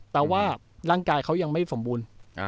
แต่ว่าร่างกายเขายังไม่สมบูรณ์